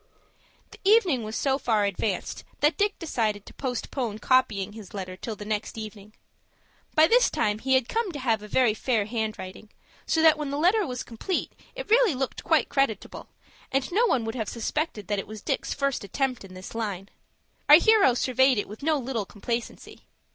The evening was so far advanced that Dick decided to postpone copying his letter till the next evening. By this time he had come to have a very fair handwriting, so that when the letter was complete it really looked quite creditable, and no one would have suspected that it was Dick's first attempt in this line. Our hero surveyed it with no little complacency.